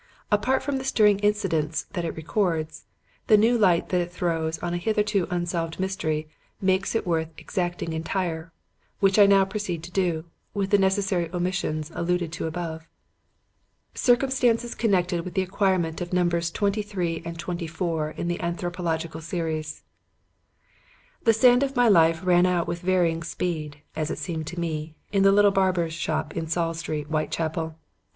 Apart from the stirring incidents that it records, the new light that it throws on a hitherto unsolved mystery makes it worth extracting entire, which I now proceed to do, with the necessary omissions alluded to above. "Circumstances connected with the acquirement of Numbers 23 and 24 in the Anthropological Series. "The sand of my life ran out with varying speed as it seemed to me in the little barber's shop in Saul Street, Whitechapel.